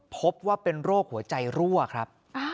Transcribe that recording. พบว่าเป็นโรคหัวใจรั่วครับ